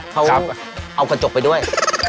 เขาเอากระจกไปด้วย